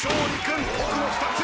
奥の２つ。